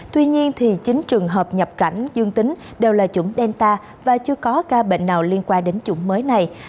tuy nhiên chín trường hợp nhập cảnh dương tính đều là chủng delta và chưa có ca bệnh nào liên quan đến chủng mới này